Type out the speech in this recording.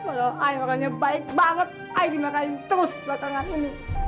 walau saya orangnya baik banget saya dimarahin terus setelah tangan ini